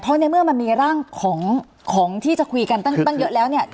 เพราะในเมื่อมันมีร่างของที่จะคุยกันตั้งเยอะแล้วเนี่ย